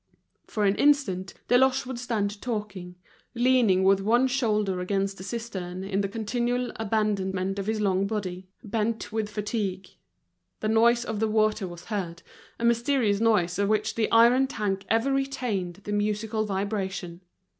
For an instant, Deloche would stand talking, leaning with one shoulder against the cistern in the continual abandonment of his long body, bent with fatigue. The noise of the water was heard, a mysterious noise of which the iron tank ever retained the musical vibration.